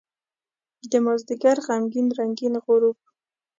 دمازدیګر غمګین رنګین غروب